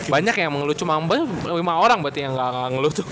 banyak yang mengeluh cumabel lima orang berarti yang nggak ngeluh tuh